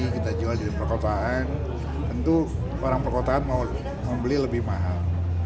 kita jual di perkotaan tentu orang perkotaan mau membeli lebih mahal